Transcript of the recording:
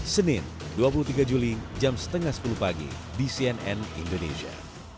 senin dua puluh tiga juli jam setengah sepuluh pagi di cnn indonesia